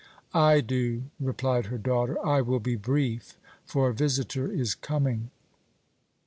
"I do," replied her daughter. "I will be brief, for a visitor is coming."